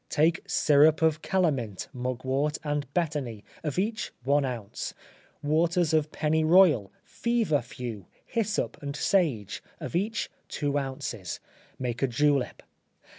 Take syrup of calamint, mugwort and betony, of each one ounce; waters of pennyroyal, feverfew, hyssop and sage, of each two ounces; make a julep.